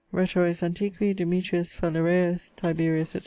Rhetores antiqui; Demetrius, Phalereus, Tiberius, etc.